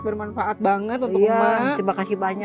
terima kasih banyak